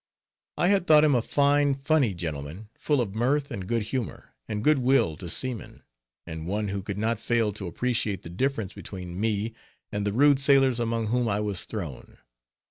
I had thought him a fine, funny gentleman, full of mirth and good humor, and good will to seamen, and one who could not fail to appreciate the difference between me and the rude sailors among whom I was thrown.